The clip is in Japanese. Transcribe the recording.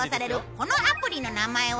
このアプリの名前は？